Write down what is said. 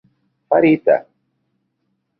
farita